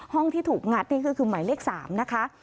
ที่ถูกงัดนี่ก็คือหมายเลข๓นะคะ